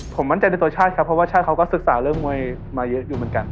ผมมั่นใจในตัวชาติครับเพราะว่าชาติเขาก็ศึกษาเรื่องมวยมาเยอะอยู่เหมือนกัน